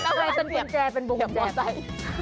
เอาไว้เป็นกุญแจเป็นบุคแจ